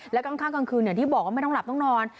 แล้วข้างกลางคืนอย่างที่บอกว่าไม่ต้องหลับต้องนอน